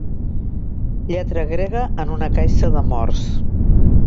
Lletra grega en una caixa de morts.